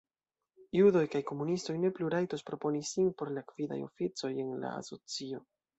Judoj kaj komunistoj ne plu rajtos proponi sin por gvidaj oficoj en la asocio.